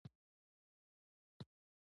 د هندوستان مسلمانان او هندوان مخالف دي.